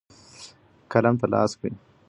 قلم ته لاس کړئ.